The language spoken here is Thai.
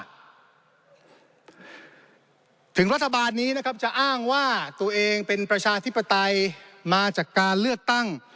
ถึงรัฐบาลนี้นะครับจะอ้างว่าตัวเองเป็นประชาธิปไตยมาจากการเลือกตั้ง